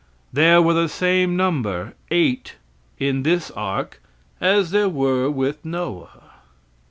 There were the same number eight in this ark as there were with Noah.